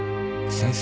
先生。